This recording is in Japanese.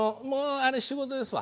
あれ仕事ですわ。